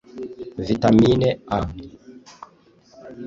Vitamine A